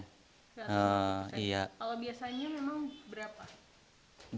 kalau biasanya memang berapa